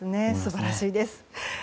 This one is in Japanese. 素晴らしいです。